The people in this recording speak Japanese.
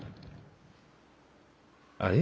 あれ？